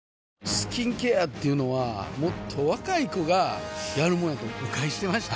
スキンケアっていうのはもっと若い子がやるもんやと誤解してました